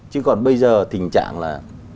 chứ còn bây giờ tình trạng là